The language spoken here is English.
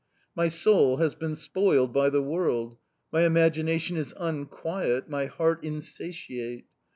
My soul has been spoiled by the world, my imagination is unquiet, my heart insatiate.